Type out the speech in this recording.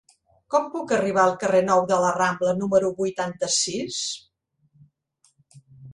Com puc arribar al carrer Nou de la Rambla número vuitanta-sis?